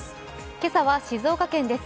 今朝は静岡県です